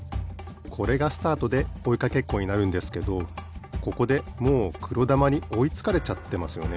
これがスタートでおいかけっこになるんですけどここでもうくろだまにおいつかれちゃってますよね。